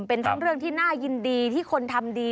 เป็นทั้งเรื่องที่น่ายินดีที่คนทำดี